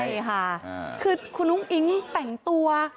ใช่ค่ะคือคุณอุ้งอิ๊งแต่งตัว